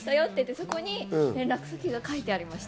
そこに連絡先が書いてありました。